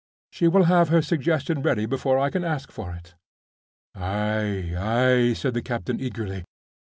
—she will have her suggestion ready before I can ask for it." "Ay! ay!" said the captain eagerly.